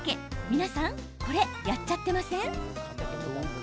皆さんこれやっちゃっていません？